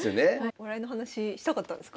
お笑いの話したかったんですか？